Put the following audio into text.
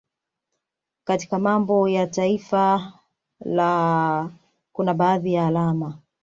Katika nembo ya taifa la kuna badahi ya alama